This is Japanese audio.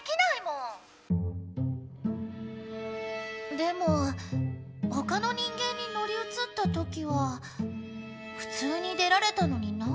でもほかの人間にのりうつったときはふつうに出られたのになんで？